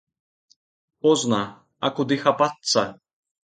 Позна, а куды хапацца?